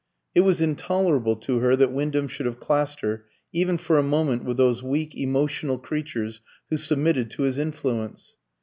It was intolerable to her that Wyndham should have classed her even for a moment with those weak emotional creatures who submitted to his influence.